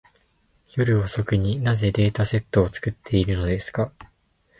夜遅くに、なぜデータセットを作っているのですか。